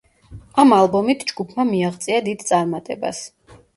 ამ ალბომით ჯგუფმა მიაღწია დიდ წარმატებას.